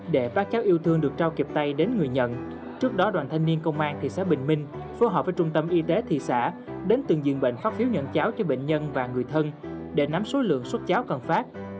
để các cháu yêu thương được trao kịp tay đến người nhận trước đó đoàn thanh niên công an thị xã bình minh phối hợp với trung tâm y tế thị xã đến từng diện bệnh phát phiếu nhận cháo cho bệnh nhân và người thân để nắm số lượng sốt cháo cần phát